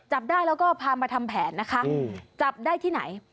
จับได้แล้วก็พามาทำแผนนะคะจับได้ที่ไหน